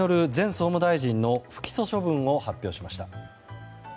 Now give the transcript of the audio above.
総務大臣の不起訴処分を発表しました。